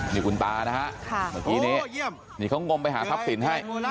นี่คุณตานะฮะเมื่อกี้นี้นี่เขากำลังไปหาทักสิ่งให้